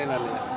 kalau itu tidak